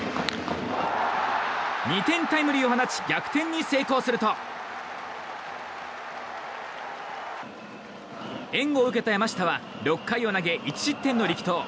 ２点タイムリーを放ち逆転に成功すると援護を受けた山下は６回を投げ１失点の力投。